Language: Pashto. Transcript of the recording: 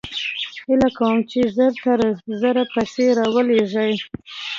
هېله کوم چې زر تر زره پیسې راولېږې